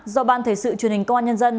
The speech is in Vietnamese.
do ban thể sự truyền hình công an nhân dân